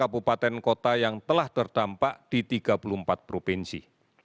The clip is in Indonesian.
empat ratus tiga puluh delapan kabupaten kota yang telah terdampak di tiga puluh empat provinsi